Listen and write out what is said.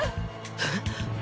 えっ！？